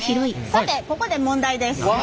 さてここで問題です。